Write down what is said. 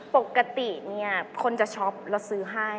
ปกติเนี่ยคนจะช็อปเราซื้อให้